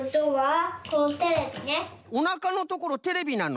おなかのところテレビなの？